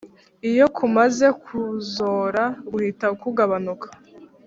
iyo kumaze kuzora, guhita kugabanuka.